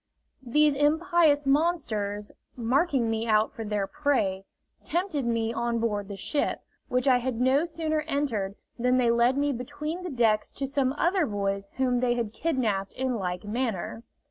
These impious monsters, marking me out for their prey, tempted me on board the ship, which I had no sooner entered than they led me between the decks to some other boys whom they had kidnapped in like manner.